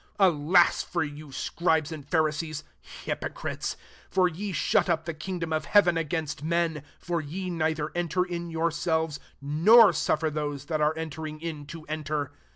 14 Alas ftxr yoUf Scribea and Phatiseesj hyfia* critean for ye shut up the king dom of heaven against men : for ye neither enter in youraetuea, nor suflfer those that are entering in to enter.